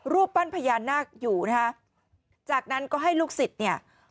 รูปปั้นพญานาคอยู่นะคะจากนั้นก็ให้ลูกศิษย์เนี่ย